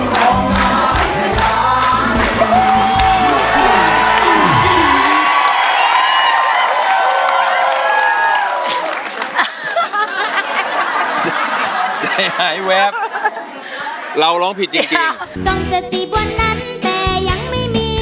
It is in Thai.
เรามีตัวช่วยร้องผิดได้หนึ่งคำเพราะฉะนั้นน้องวันเพ็ญร้องได้ครับ